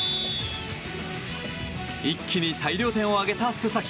一気に大量点を挙げた須崎。